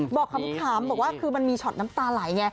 บอกคำขามบอกว่ามันมีช็อตน้ำตาไหล